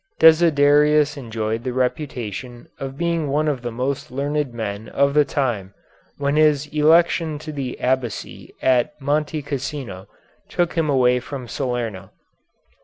Desiderius enjoyed the reputation of being one of the most learned men of the time when his election to the abbacy at Monte Cassino took him away from Salerno.